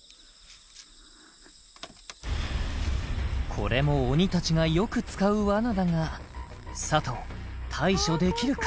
これも鬼達がよく使う罠だが佐藤対処できるか？